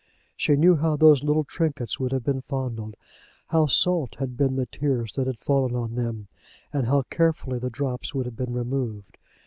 She knew how those little trinkets would have been fondled! How salt had been the tears that had fallen on them, and how carefully the drops would have been removed.